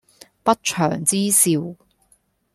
不祥之兆